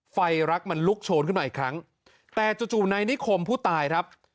ไฟรักมันลุกโชนขึ้นมาอีกครั้งแต่จู่จู่นายนิคมผู้ตายครับ